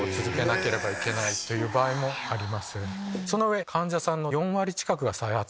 その上。